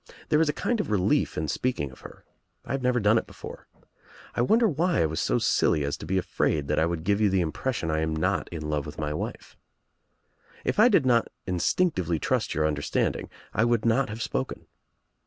There is a kind of relief in speaking of her. I have never done it before. I wonder why 1 was so silly as to be afraid that I would give you the impression I am not in love with my wife. If I did not instinctively trust your understanding I would not have spoken.